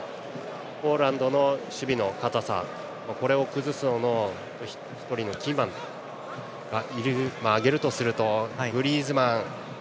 ポーランドの守備の堅さこれを崩すための１人のキーマンを挙げるとするとグリーズマン。